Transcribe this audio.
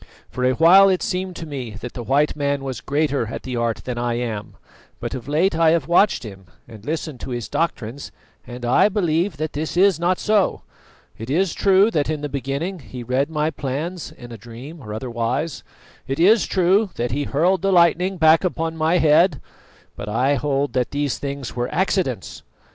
For a while it seemed to me that the white man was greater at the art than I am; but of late I have watched him and listened to his doctrines, and I believe that this is not so. It is true that in the beginning he read my plans in a dream, or otherwise; it is true that he hurled the lightning back upon my head; but I hold that these things were accidents.